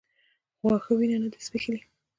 خو واښه وينه نه وه ځبېښلې.